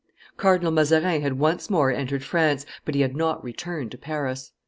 Cardinal Mazarin had once more entered France, but he had not returned to Paris.